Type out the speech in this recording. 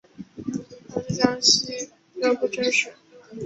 官至江西右布政使。